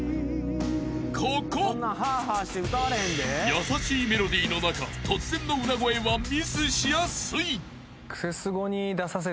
［優しいメロディーの中突然の裏声はミスしやすい］